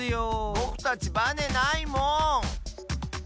ぼくたちバネないもん！